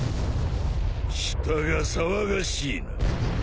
・下が騒がしいな。